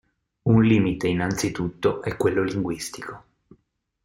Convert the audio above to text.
Un limite, innanzi tutto, è quello linguistico.